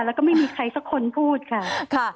แล้วก็ไม่มีใครสักคนพูดค่ะ